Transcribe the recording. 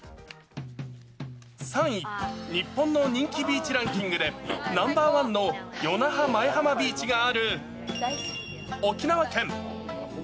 ３位、日本の人気ビーチランキングでナンバーワンの与那覇前浜ビーチがある沖縄県。